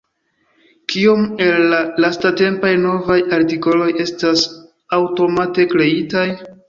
Kiom el la lastatempaj novaj artikoloj estas aŭtomate kreitaj?